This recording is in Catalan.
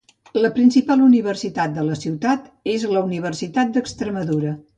La principal universitat de la ciutat és la Universitat d'Extremadura.